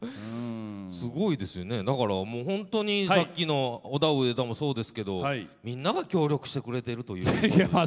だから、本当にさっきのオダウエダもそうですけどみんなが協力してくれてるという。